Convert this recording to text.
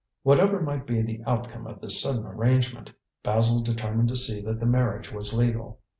Whatever might be the outcome of this sudden arrangement, Basil determined to see that the marriage was legal.